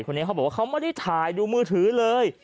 เขาบอกว่าเขาไม่ได้ถ่ายดูมือถือเลย